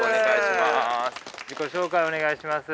自己紹介をお願いします。